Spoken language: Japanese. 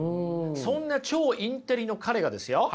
そんな超インテリの彼がですよ